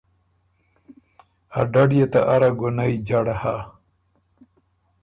ا ډډ يې ته اره ګُونئ جړ هۀ